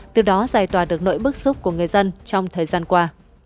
từ đó giải tỏa được nỗi bức xúc của người dân trong thời gian qua